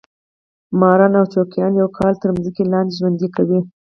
ماران او جوګیان یو کال تر مځکې لاندې ژوند کوي.